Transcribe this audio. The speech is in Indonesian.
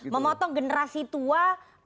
memotong generasi tua